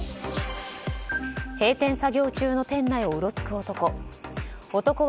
閉店作業中の店内をうろつく男。